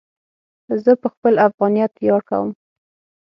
زه په خپل افغانیت ویاړ کوم.